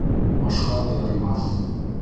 Башҡа ярмаҫ!